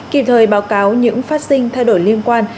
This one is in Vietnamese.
kịp thời báo cáo những phát sinh thay đổi liên quan